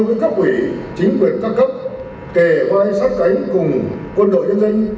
kịp thời tham nhu với các quỷ chính quyền các cấp kề vai sát cánh cùng quân đội nhân dân